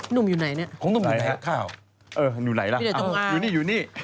หนุ่มอยู่ไหนเนี่ย